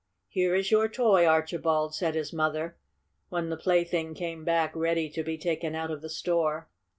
"Here is your toy, Archibald," said his mother, when the plaything came back ready to be taken out of the store.